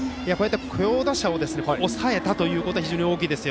好打者を抑えたということは非常に大きいです。